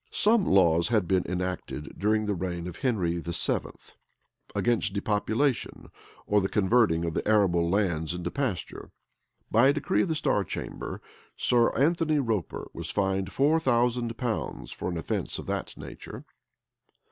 [*] Some laws had been enacted, during the reign of Henry VII., against depopulation, or the converting of arable lands into pasture. By a decree of the star chamber, Sir Anthony Roper was fined four thousand pounds for an offence of that nature.